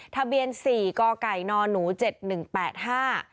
ทะเบียนสี่ก่อไก่นอนหนูเจ็ดหนึ่งแปดห้า